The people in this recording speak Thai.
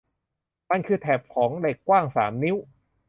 มันคือแถบของเหล็กกว้างสามนิ้ว